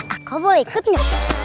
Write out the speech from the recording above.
aku boleh ikutnya